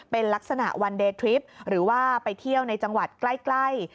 เป็นลักษณะวันเดย์ทริปหรือว่าไปเที่ยวในจังหวัดใกล้